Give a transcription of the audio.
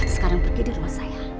sekarang pergi di rumah saya